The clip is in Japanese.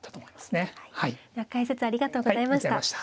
では解説ありがとうございました。